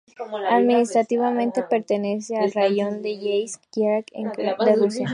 Administrativamente pertenece al raión de Yeisk del krai de Krasnodar de Rusia.